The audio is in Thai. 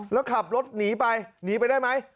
แล้วขับรถหนีไปหนีไปได้ไหม